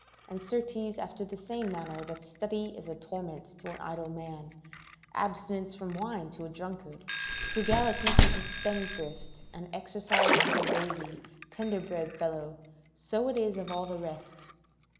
And, certes, after the same manner that study is a torment to an idle man, abstinence from wine to a drunkard, frugality to the spendthrift, and exercise to a lazy, tender bred fellow, so it is of all the rest.